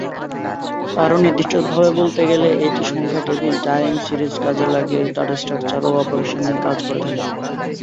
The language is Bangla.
আরও নির্দিষ্টভাবে বলতে গেলে, এটি সংখ্যা টেবিল ও টাইম সিরিজ কাজে লাগিয়ে ডাটা স্ট্রাকচার ও অপারেশন নিয়ে কাজ করে থাকে।